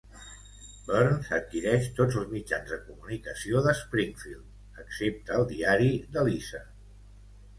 Burns adquireix tots els mitjans de comunicació de Springfield, excepte el diari de Lisa.